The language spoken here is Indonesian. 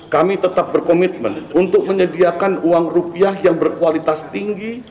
kami tetap berkomitmen untuk menyediakan uang rupiah yang berkualitas tinggi